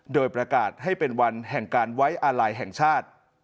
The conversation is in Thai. โดยประกาศให้เป็นวันแห่งการไว้อาลัยแห่งชาติ